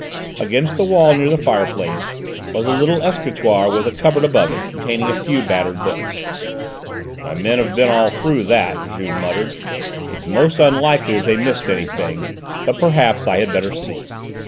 Against the wall, near the fireplace, was a little escritoire with a cupboard above it, containing a few battered books. "My men have been all through that," Juve muttered; "it's most unlikely that they missed anything, but perhaps I had better see."